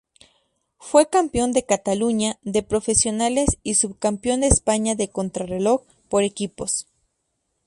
Fue campeón de Cataluña de profesionales y subcampeón de España de contrarreloj por equipos.